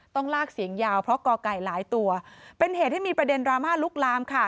ต้องลากเสียงยาวเพราะก่อไก่หลายตัวเป็นเหตุให้มีประเด็นดราม่าลุกลามค่ะ